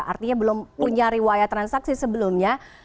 artinya belum punya riwayat transaksi sebelumnya